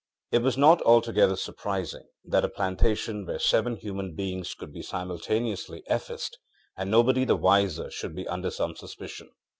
It was not altogether surprising that a plantation where seven human beings could be simultaneously effaced and nobody the wiser should be under some suspicion.